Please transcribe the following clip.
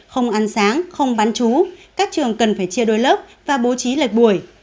không ăn sáng không bán chú các trường cần phải chia đôi lớp và bố trí lệch buổi